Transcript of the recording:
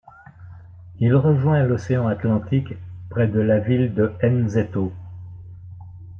Il rejoint l'océan Atlantique près de la ville de N'Zeto.